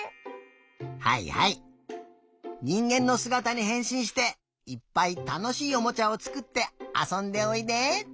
はいはいにんげんのすがたにへんしんしていっぱいたのしいおもちゃをつくってあそんでおいで。